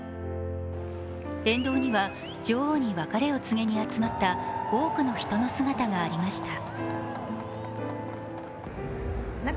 沿道には女王に別れを告げに集まった多くの人の姿がありました。